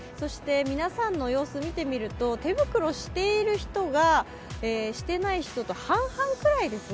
皆さんの様子見てみると、手袋している人がしてない人と半々ぐらいですね。